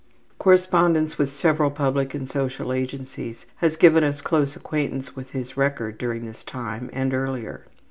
Correspondence with several public and social agencies has given us close acquaintance with his record during this time, and earlier.